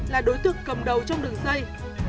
là đối tượng cầm đầu trong đường dây